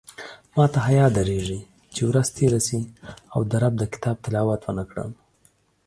ماته حیاء درېږې چې ورځ تېره شي او د رب د کتاب تلاوت ونکړم